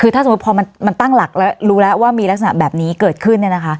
ถ้าจมมตั้งหลักแล้วรู้แล้วว่ามีลักษณะแบบนี้เกิดขึ้น